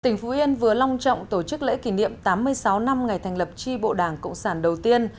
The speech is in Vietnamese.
tỉnh phú yên vừa long trọng tổ chức lễ kỷ niệm tám mươi sáu năm ngày thành lập tri bộ đảng cộng sản đầu tiên